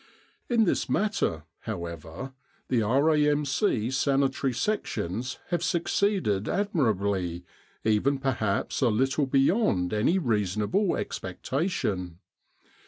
In this matter, however, the R.A.M.C. Sanitary Sections have succeeded admirably, even perhaps a little beyond any reasonable expectation.